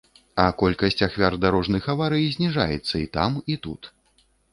А колькасць ахвяр дарожных аварый зніжаецца і там, і тут.